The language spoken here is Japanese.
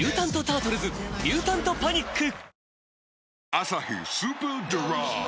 「アサヒスーパードライ」